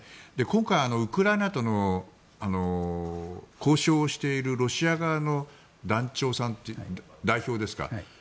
今回ウクライナとの交渉をしているロシア側の団長さんというか代表ですか。